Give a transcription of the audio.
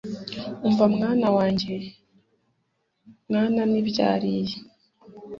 umva, mwana wanjye, mwana nibyariye